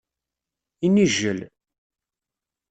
Inijjel.